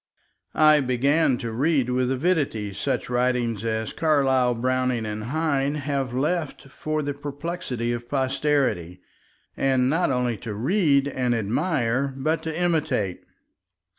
I began to read with avidity such writing as Carlyle, Browning, and Heine have left for the perplexity of posterity, and not only to read and admire but to imitate.